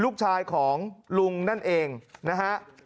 ลูกชายของลุงนั่นเองนะฮะ